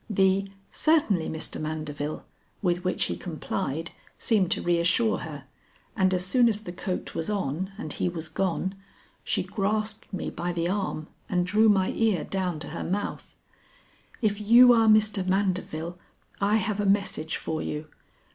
The "Certainly, Mr. Mandeville," with which he complied seemed to reassure her, and as soon as the coat was on and he was gone, she grasped me by the arm and drew my ear down to her mouth. "If you are Mr. Mandeville, I have a message for you.